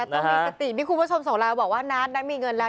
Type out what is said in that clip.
นัทต้องมีสติพี่คุณผู้ชมส่งรายว่านัทได้มีเงินแล้ว